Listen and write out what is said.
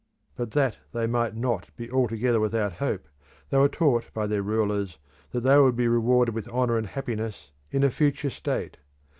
But that they might not be altogether without hope, they were taught by their rulers that they would be rewarded with honour and happiness in a future state.